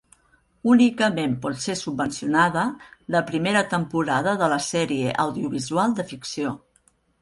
Únicament pot ser subvencionada la primera temporada de la sèrie audiovisual de ficció.